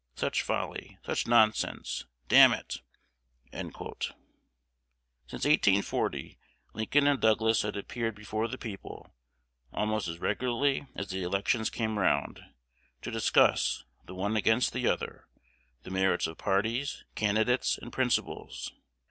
Such folly! such nonsense! Damn it!'" Since 1840 Lincoln and Douglas had appeared before the people, almost as regularly as the elections came round, to discuss, the one against the other, the merits of parties, candidates, and principles.